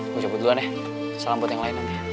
gue cabut duluan ya salam buat yang lain om ya